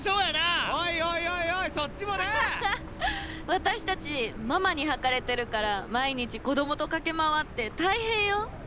私たちママに履かれてるから毎日子供と駆け回って大変よ。